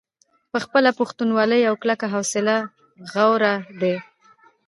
پۀ خپله پښتونولۍ او کلکه حوصله غاوره دے ۔